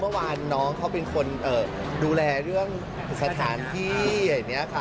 เมื่อวานน้องเขาเป็นคนดูแลเรื่องสถานที่อย่างนี้ค่ะ